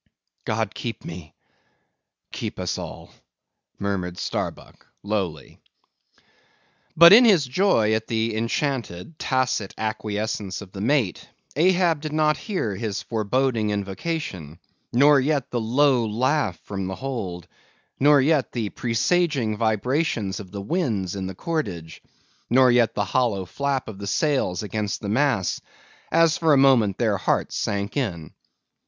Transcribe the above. "God keep me!—keep us all!" murmured Starbuck, lowly. But in his joy at the enchanted, tacit acquiescence of the mate, Ahab did not hear his foreboding invocation; nor yet the low laugh from the hold; nor yet the presaging vibrations of the winds in the cordage; nor yet the hollow flap of the sails against the masts, as for a moment their hearts sank in.